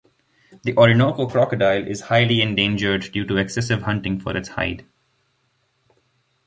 The Orinoco crocodile is highly endangered due to excessive hunting for its hide.